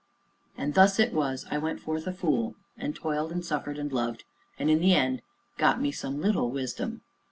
And thus it was I went forth a fool, and toiled and suffered and loved, and, in the end, got me some little wisdom.